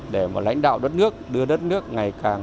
để mà lãnh đạo đất nước đưa đất nước ngày càng